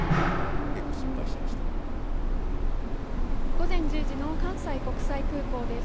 午前１０時の関西国際空港です。